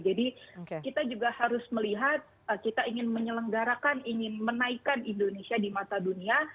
jadi kita juga harus melihat kita ingin menyelenggarakan ingin menaikkan indonesia di mata dunia